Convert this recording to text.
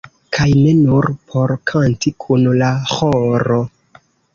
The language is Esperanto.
Kaj ne nur por kanti kun la ĥoro.